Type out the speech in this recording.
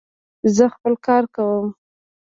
زه خپل کار کوم.